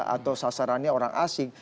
atau sasarannya orang asing